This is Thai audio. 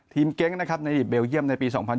ทีมเกงก์ในหลีกเบลเยี่ยมในปี๒๐๒๐